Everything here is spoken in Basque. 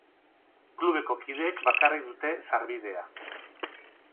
Klubeko kideek bakarrik dute sarbidea.